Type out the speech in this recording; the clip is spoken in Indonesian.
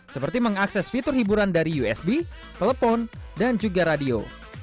seperti mengakses fitur hiburan dari usb telepon dan juga radio